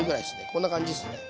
こんな感じですね。